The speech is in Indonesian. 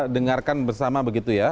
dengarkan bersama begitu ya